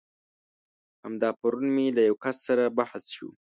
همدا پرون مې له يو کس سره بحث شو.